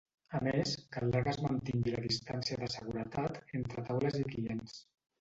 A més, caldrà que es mantingui la distància de seguretat entre taules i clients.